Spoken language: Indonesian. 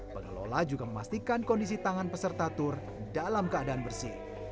pengelola juga memastikan kondisi tangan peserta tur dalam keadaan bersih